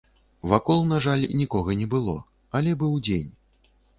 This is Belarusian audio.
Вакол, на жаль, нікога не было, але быў дзень.